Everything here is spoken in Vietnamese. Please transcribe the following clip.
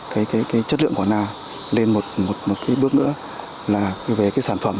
cái chất lượng của na lên một cái bước nữa là về cái sản phẩm